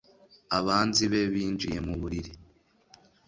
abanzi be binjiye mu buriri